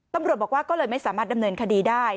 ตำรวจบอกว่าก็เลยไม่สามารถดำเนินคดีได้